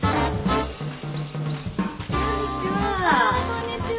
あこんにちは。